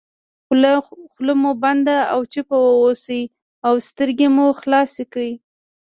خوله مو بنده او چوپ واوسئ او سترګې مو خلاصې کړئ.